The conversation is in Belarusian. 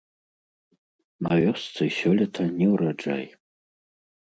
На вёсцы сёлета неўраджай.